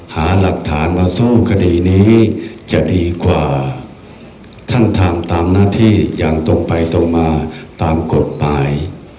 หาหลักฐานมาสู้คดีนี้จะดีกว่าท่านทำตามหน้าที่อย่างตรงไปตรงมาตามกฎหมาย